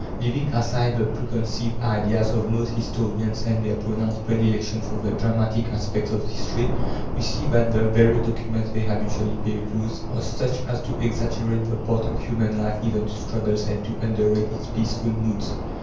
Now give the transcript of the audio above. Leaving aside the preconceived ideas of most historians and their pronounced predilection for the dramatic aspects of history, we see that the very documents they habitually peruse are such as to exaggerate the part of human life given to struggles and to underrate its peaceful moods.